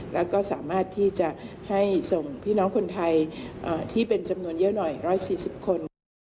แล้วก็สามารถที่จะให้ส่งพี่น้องคนไทยที่เป็นจำนวนเยอะหน่อย๑๔๐คนค่ะ